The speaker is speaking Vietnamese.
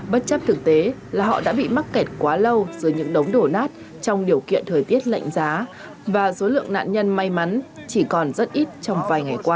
bất chấp thực tế là họ đã bị mắc kẹt quá lâu dưới những đống đổ nát trong điều kiện thời tiết lạnh giá và số lượng nạn nhân may mắn chỉ còn rất ít trong vài ngày qua